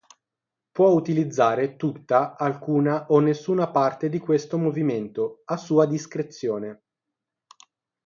Può utilizzare tutta, alcuna o nessuna parte di questo movimento, a sua discrezione.